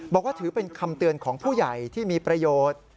บอกว่าถือเป็นคำเตือนของผู้ใหญ่ที่มีประโยชน์